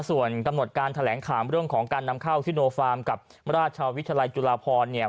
ส่วนกำหนดการแถลงข่าวเรื่องของการนำเข้าซิโนฟาร์มกับราชวิทยาลัยจุฬาพรเนี่ย